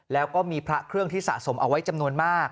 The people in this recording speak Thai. แล้วก็มีพระเครื่องที่สะสมเอาไว้จำนวนมาก